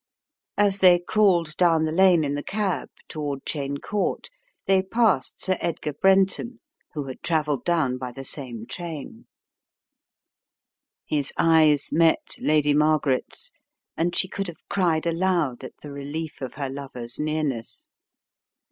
As they crawled down the lane in the cab, toward Cheyne Court, they passed Sir Edgar Brenton who had travelled down by the same train. His eyes 88 The Riddle of the Purple Emperor met Lady Margaret's and she could have cried aloud at the relief of her lover's nearness.